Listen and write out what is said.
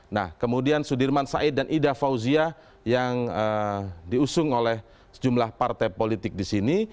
nah kemudian sudirman said dan ida fauzia yang diusung oleh sejumlah partai politik di sini